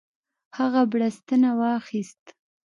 هغه بړستنه واخیست.